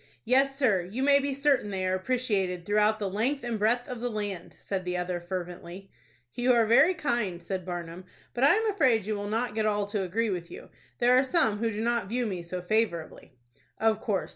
"Yes, sir, you may be certain they are appreciated throughout the length and breadth of the land," said the other, fervently. "You are very kind," said Barnum; "but I am afraid you will not get all to agree with you. There are some who do not view me so favorably." "Of course.